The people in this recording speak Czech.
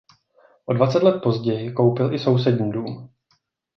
O dvacet let později koupil i sousední dům.